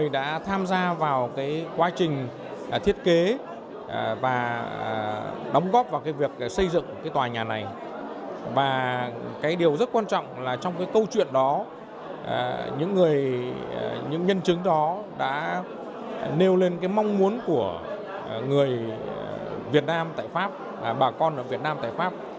đã nêu lên cái mong muốn của người việt nam tại pháp bà con ở việt nam tại pháp